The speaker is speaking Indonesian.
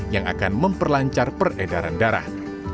yang akan memperlancar peredaran darah